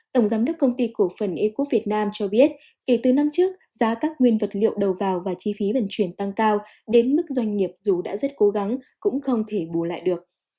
tổng giám đốc công ty cổ phần ecop việt nam cho biết kể từ năm trước giá các nguyên vật liệu đầu vào và chi phí vận chuyển tăng cao đến mức doanh nghiệp dù đã rất cố gắng cũng không thể bù lại được